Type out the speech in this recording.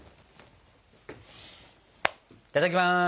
いただきます。